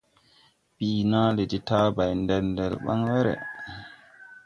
Bii na le de tabay nel nele nen baŋ were.